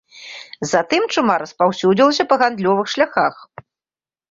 Затым чума распаўсюдзілася па гандлёвых шляхах.